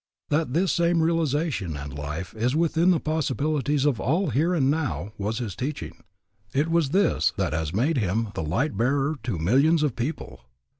That this same realization and life is within the possibilities of all here and now was his teaching. It was this that has made him the Light Bearer to millions of people.